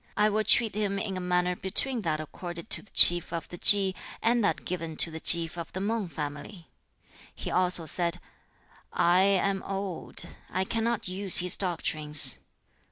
I will treat him in a manner between that accorded to the chief of the Chi, and that given to the chief of the Mang family.' He also said, 'I am old; I cannot use his doctrines.'